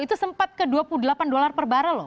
itu sempat ke dua puluh delapan dolar per barrel loh